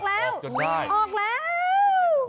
ออกจนได้ออกแล้ว